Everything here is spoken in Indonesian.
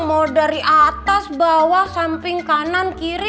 mau dari atas bawah samping kanan kiri